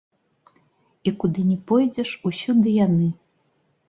І куды ні пойдзеш, усюды яны.